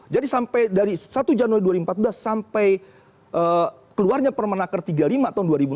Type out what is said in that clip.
jadi sampai dari satu januari dua ribu empat belas sampai keluarnya permenaker tiga puluh lima tahun dua ribu enam belas